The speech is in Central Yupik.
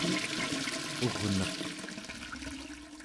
urneq